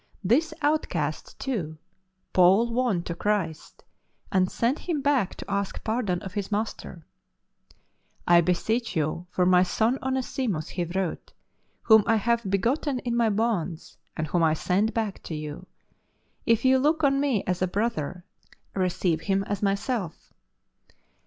This outcast, too, Paul won to Christ, and sent him back to ask pardon of his master. " I beseech you for my son Onesimus," he wrote, " whom I have begotten in my bonds, and whom I send back to you ... if you look on me as a brother receive him as myself."